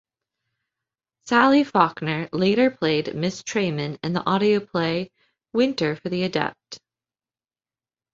Sally Faulkner later played Miss Tremayne in the audio play "Winter for the Adept".